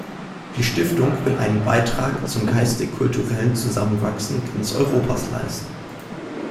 Die Stiftung will einen Beitrag zum geistig-kulturellen Zusammenwachsen ganz Europas leisten.